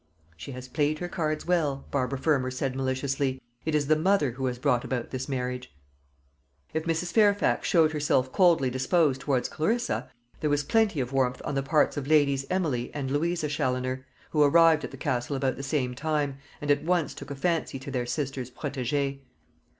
"She has played her cards well," Barbara Fermor said maliciously. "It is the mother who has brought about this marriage." If Mrs. Fairfax showed herself coldly disposed towards Clarissa, there was plenty of warmth on the parts of Ladies Emily and Louisa Challoner, who arrived at the Castle about the same time, and at once took a fancy to their sister's _protégée.